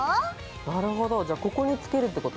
なるほどじゃあここに付けるってこと？